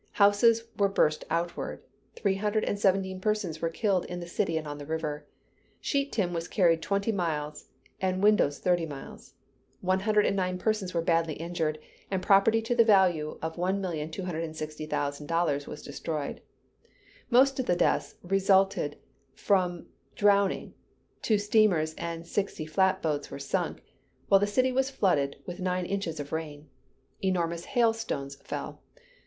Houses were burst outward; three hundred and seventeen persons were killed in the city and on the river. Sheet tin was carried twenty miles, and windows thirty miles. One hundred and nine persons were badly injured, and property to the value of $1,260,000 destroyed. Most of the deaths resulted from drowning; two steamers and sixty flatboats were sunk, while the city was flooded with nine inches of rain. Enormous hail stones fell.